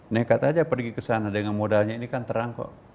nekat aja pergi ke sana dengan modalnya ini kan terang kok